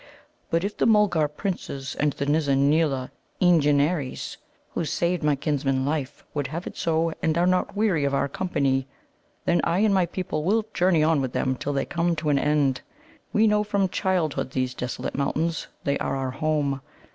But if the Mulgar Princes and the Nizza neela Eengenares, who saved my kinsman's life, would have it so, and are not weary of our company, then I and my people will journey on with them till they come to an end. We know from childhood these desolate mountains. They are our home.